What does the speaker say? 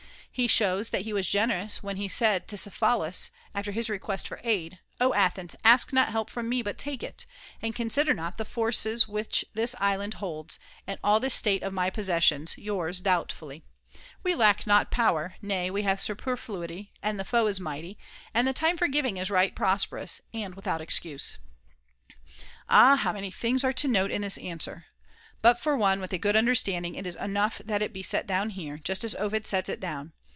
He shows that he was generous when he said to Cephalus, after his request for aid :* O Athens, ask not help from me, but take it ; and consider not the forces which this island holds, and all this state of my possessions, yours doubtfully. We lack 2A 370 THE CONVIVIO Ch. in old not power, nay, we have superfluity, and the foe *S^ is mighty ; and the time for giving is right prosperous and []i8o3 without excuse.' Ah, how many things are to note in this answer ! But for one with a good understanding it is enough that it be set down here, just as Ovid sets it down.